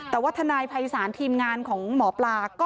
แต่ว่าทนายภัยศาลทีมงานของหมอปลา